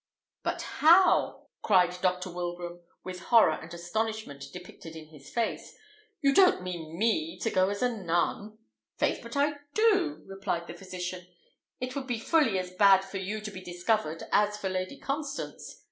"But how?" cried Dr. Wilbraham, with horror and astonishment depicted in his face. "You don't mean me to go as a nun?" "Faith, but I do!" replied the physician; "it would be fully as bad for you to be discovered as for Lady Constance.